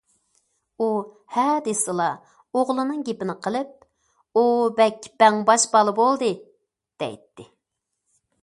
ئۇ ھە دېسىلا ئوغلىنىڭ گېپىنى قىلىپ، ئۇ بەك بەڭباش بالا بولدى، دەيتتى.